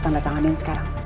tanda tanganin sekarang